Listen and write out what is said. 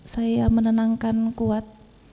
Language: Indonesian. saya menenangkan kuat